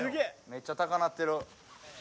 めっちゃ高なってる。